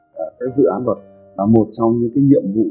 các dự án luật là một trong những nhiệm vụ